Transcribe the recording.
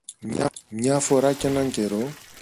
Μια φορά κι έναν καιρό